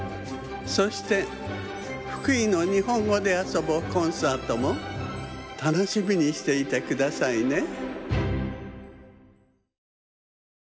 そして福井の「にほんごであそぼコンサート」もたのしみにしていてくださいね。